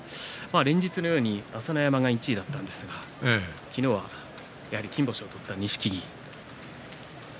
連日のように朝乃山が１位だったんですが昨日は金星を取った錦木が１位。